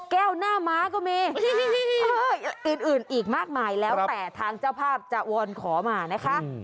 หน้าม้าก็มีอื่นอีกมากมายแล้วแต่ทางเจ้าภาพจะวอนขอมานะคะ